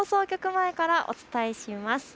前からお伝えします。